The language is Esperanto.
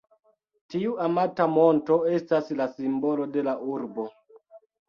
Tiu amata monto estas la simbolo de la urbo.